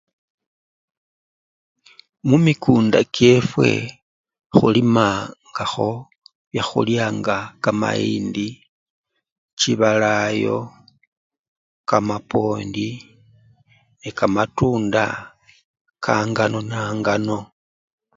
Mumikunda kyefwe khulimangakho byakhulya nga kamayindi ,chibalayo, kamapwondi ne kamatunda kaangano nangano.